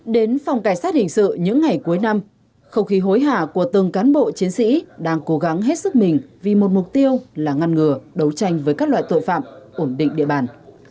đến phòng cảnh sát hình sự những ngày cuối năm không khí hối hả của từng cán bộ chiến sĩ đang cố gắng hết sức mình vì một mục tiêu là ngăn ngừa đấu tranh với các loại tội phạm ổn định địa bàn